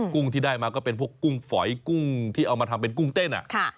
กุ้งที่ได้มาก็เป็นพวกกุ้งฝอยกุ้งที่เอามาทำเป็นกุ้งเต้น